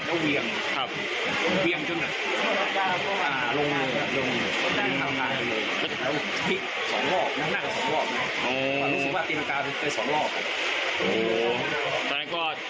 โอ้โฮ